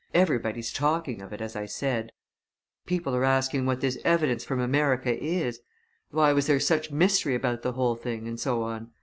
Everybody's talking of it, as I said people are asking what this evidence from America is; why was there such mystery about the whole thing, and so on.